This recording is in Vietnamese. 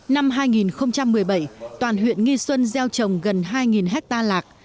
năm hai nghìn một mươi bảy toàn huyện nghi xuân gieo trồng gần hai hectare lạc